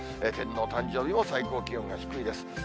天皇誕生日も最高気温が低いです。